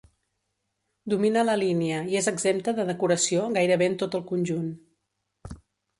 Domina la línia i és exempta de decoració gairebé en tot el conjunt.